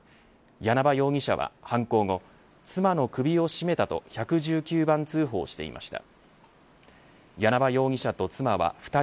簗場容疑者は犯行後妻の首を絞めたと１１９番通報していました。